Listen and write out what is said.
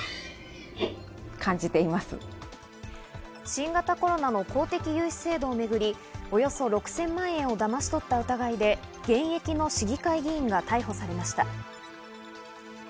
新型コロナの公的融資制度をめぐり、およそ６０００万円をだまし取った疑いで、現役の市議会議員が逮捕されました。